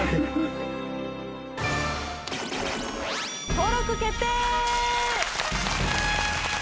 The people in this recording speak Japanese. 登録決定！